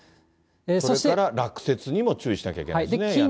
それから落雪にも注意しなきゃいけないですね。